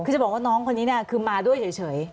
คือจะบอกว่าน้องคนนี้คือมาด้วยเฉย